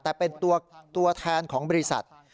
แต่เป็นตัวแทนของบริษัท